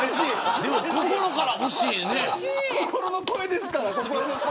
心の声ですから。